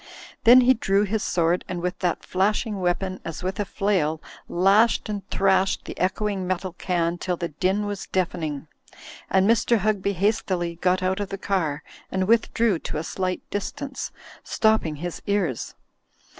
Then he drew his sword, and with that flashing weapon, as with a flail, lashed and thrashed the echoing metal can till the din was deafening, and Mr. Hugby hastily got out of the car and withdrew to a slight distance, stopping his ears.